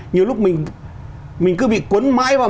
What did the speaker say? nhiều lúc mình cứ bị cuốn mãi vào